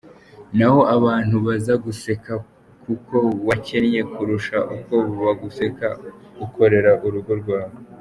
naho abantu bo bazaguseka kuko wakennye kurusha uko baguseka ukorera urugo rwawe.